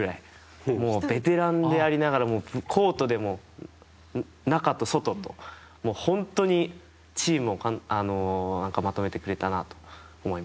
ベテランでありながらコートでも中と外と本当にチームをまとめてくれたなと思います。